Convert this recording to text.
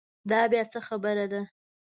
دا بیا څه خبره ده.